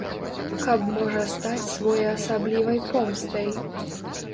Каб можа стаць своеасаблівай помстай.